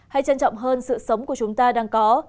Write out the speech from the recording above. hay trân trọng hơn sự sống của chúng ta đang có